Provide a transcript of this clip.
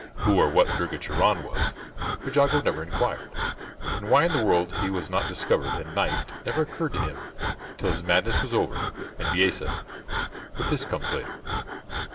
Who or what Durga Charan was, Trejago never inquired; and why in the world he was not discovered and knifed never occurred to him till his madness was over, and Bisesa... But this comes later.